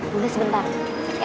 bunda sebentar oke